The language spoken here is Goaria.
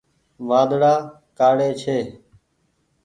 وآڌڙآ ڪآڙي ڇي۔